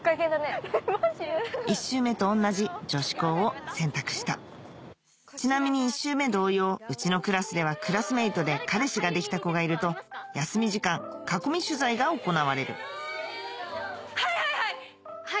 １周目と同じ女子校を選択したちなみに１周目同様うちのクラスではクラスメートで彼氏ができた子がいると休み時間囲み取材が行われるはいはいはい！